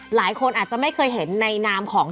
หลายคนอาจจะไม่เคยเห็นในนามของ